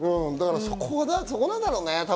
そこなんだろうね。